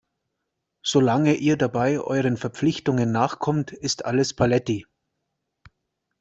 Solange ihr dabei euren Verpflichtungen nachkommt, ist alles paletti.